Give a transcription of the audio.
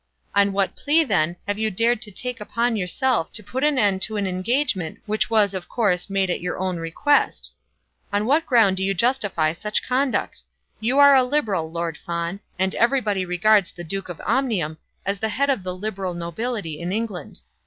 "On what plea, then, have you dared to take upon yourself to put an end to an engagement which was made at your own pressing request, which was, of course, made at your own request? On what ground do you justify such conduct? You are a Liberal, Lord Fawn; and everybody regards the Duke of Omnium as the head of the Liberal nobility in England.